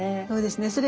そうですね。